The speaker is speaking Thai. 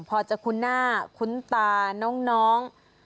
พอจะคุ้นหน้าคุ้นตาน้อง